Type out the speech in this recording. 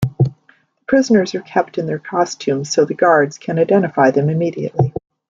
The prisoners are kept in their costumes so the guards can identify them immediately.